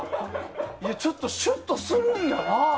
ちょっとシュッとするんやな。